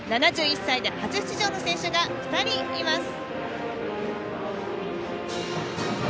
７１歳で初出場の選手が２人います。